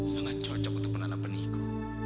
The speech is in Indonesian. sangat cocok untuk menanam peniku